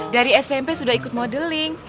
dari smp sudah ikut modeling